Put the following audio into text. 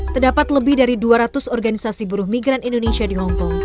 terdapat lebih dari dua ratus organisasi buruh migran indonesia di hongkong